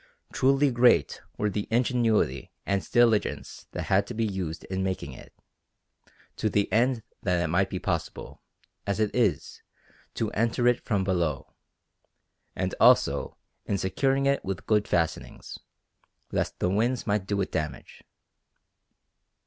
Truly great were the ingenuity and diligence that had to be used in making it, to the end that it might be possible, as it is, to enter it from below, and also in securing it with good fastenings, lest the winds might do it damage.